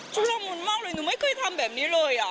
ชุดละมุนมากเลยหนูไม่เคยทำแบบนี้เลย